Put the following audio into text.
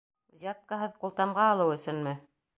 Взяткаһыҙ ҡултамға алыу өсөнмө?